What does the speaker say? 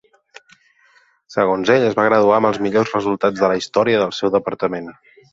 Segons ell, es va graduar amb els "millors resultats de la història" del seu departament.